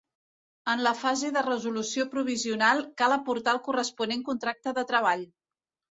En la fase de resolució provisional cal aportar el corresponent contracte de treball.